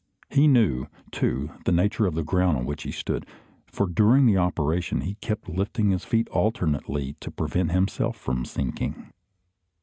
He knew, too, the nature of the ground on which he stood, for during the operation he kept lifting his feet alternately to prevent himself from sinking.